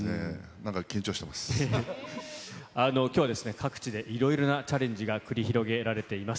なんか緊張してきょうはですね、各地でいろいろなチャレンジが繰り広げられています。